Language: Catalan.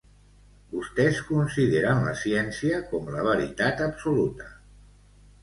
Vostès consideren la ciència com la veritat absoluta.